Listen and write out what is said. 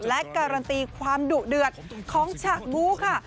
และการันตีความดุเดือดของฉากบูค่ะ